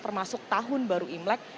termasuk tahun baru imlek